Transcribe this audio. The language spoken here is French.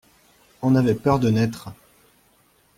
On avait peur de naître.